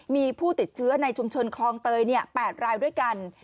มีผู้ติดเชื้อในชุมชนคลองเตย๘รายด้วยกัน